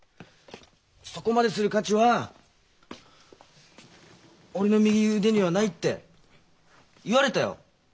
「そこまでする価値は俺の右腕にはない」って言われたよ